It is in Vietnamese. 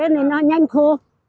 nên nó nhanh khô